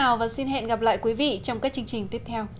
xin kính chào và hẹn gặp lại quý vị trong các chương trình tiếp theo